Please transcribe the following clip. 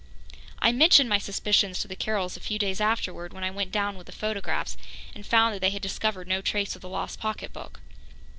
I mentioned my suspicions to the Carrolls a few days afterwards, when I went down with the photographs, and found that they had discovered no trace of the lost pocketbook.